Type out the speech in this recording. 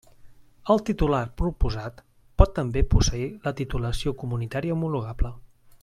El titulat proposat pot també posseir la titulació comunitària homologable.